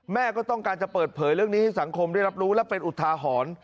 แม่ก็ต้องการจะเปิดเผยเรื่องนี้ให้สังคมได้รับรู้และเป็นอุทาหรณ์